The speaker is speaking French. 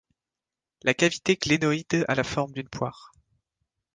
La cavité glénoïde a la forme d’une poire.